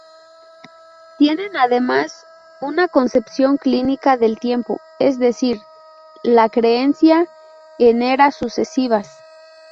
Tienen además una concepción cíclica del tiempo; es decir, la creencia en eras sucesivas.